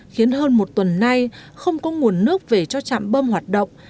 khiến hơn một tuần nay không có nguồn nước về cho trạm bơm hoạt động